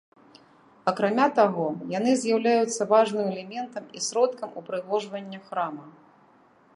Акрамя таго, яны з'яўляюцца важным элементам і сродкам упрыгожвання храма.